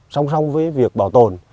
song song với việc bảo tồn